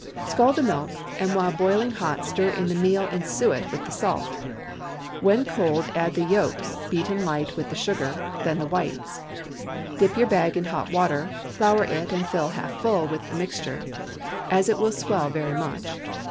Scald the milk, and while boiling hot stir in the meal and suet with the salt. When cold add the yolks, beaten light with the sugar, then the whites. Dip your bag in hot water, flour it, and fill half full with the mixture, as it will swell very much.